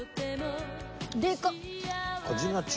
でかっ！